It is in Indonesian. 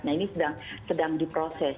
nah ini sedang di proses